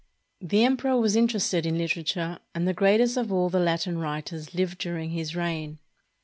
The emperor was interested in literature, and the greatest of all the Latin writers lived during his reign.